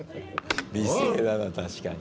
美声だな確かに。